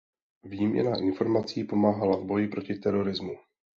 Výměna informací pomáhá v boji proti terorismu.